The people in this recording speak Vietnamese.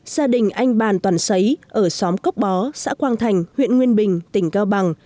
gia đình anh bàn toàn xấy ở xóm cốc bó xã quang thành huyện nguyên bình tỉnh cao bằng